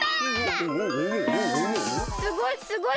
すごいすごい！